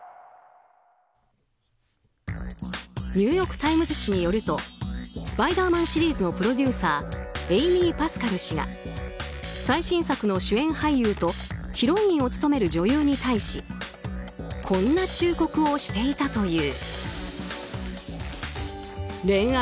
ニューヨーク・タイムズによると「スパイダーマン」シリーズのプロデューサーエイミー・パスカル氏が最新作の主演俳優とヒロインを務める女優に対しこんな忠告をしていたという。